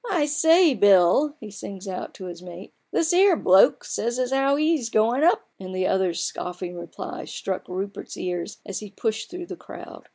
" I say, Bill !" he sings out to his mate, " this 'ere bloke sa) s as 'ow he's goin' up !" and the other's scoffing reply struck Rupert's ears as he pushed through the crowd.